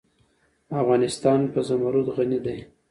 افغانستان په زمرد غني دی.